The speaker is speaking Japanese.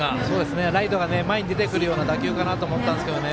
ライトが前に出てくるような打球かなと思ったんですけどね